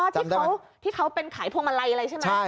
อ๋อที่เขาที่เขาเป็นขายพวงมาลัยอะไรใช่ไหม